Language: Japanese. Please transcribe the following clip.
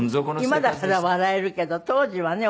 今だから笑えるけど当時はね